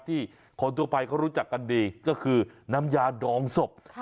คนทั่วไปเขารู้จักกันดีก็คือน้ำยาดองศพ